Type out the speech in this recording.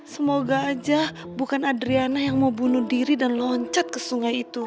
semoga aja bukan adriana yang mau bunuh diri dan loncat ke sungai itu